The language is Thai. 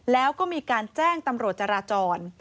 แล้วก็มีการแจ้งตำรวจจราจร